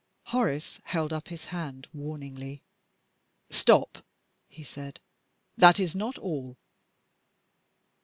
Horace held up his hand warningly. "Stop!" he said; "that is not all."